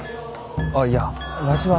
あっいやわしは。